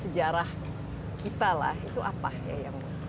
sejarah kita lah itu apa ya yang